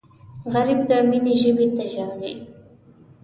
غریب د مینې ژبې ته ژاړي